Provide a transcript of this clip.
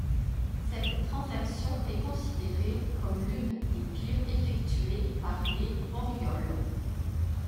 Cette transaction est considérée comme l'une des pires effectuées par les Orioles.